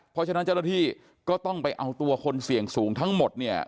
เพราะฉะนั้นเจ้าหน้าที่ก็ต้องไปเอาตัวคนเสี่ยงสูงทั้งหมดเนี่ย